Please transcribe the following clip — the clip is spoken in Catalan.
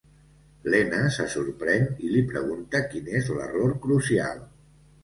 Lena se sorprèn i li pregunta quin és l'error crucial.